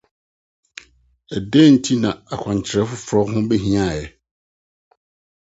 adɛn nti na akwankyerɛ foforo ho behiae?